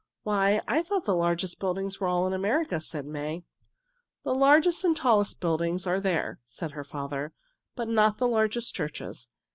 "Why, I thought the largest buildings were all in America," said May. "The largest and tallest business buildings are there," said her father, "but not the largest churches.